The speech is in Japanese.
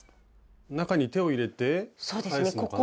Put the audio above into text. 中に手を入れて返すのかな？